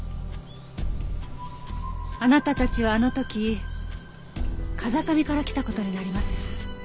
あなたたちはあの時風上から来た事になります。